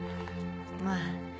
まあ。